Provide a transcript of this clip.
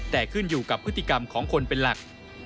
แต่ขึ้นอยู่กับพฤติกรรมของคนเป็นหลัก